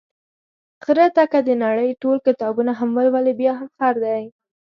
خره ته که د نړۍ ټول کتابونه هم ولولې، بیا هم خر دی.